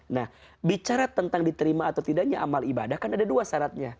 nah bicara tentang diterima atau tidaknya amal ibadah kan ada dua syaratnya